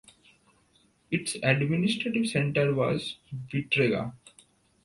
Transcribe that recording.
Its administrative centre was Vytegra.